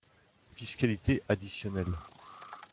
Fiscalité additionnelle.